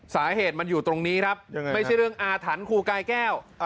สาเหตุมันอยู่ตรงนี้ครับไม่ใช่เรื่องอาถรรพ์ครูกายแก้ว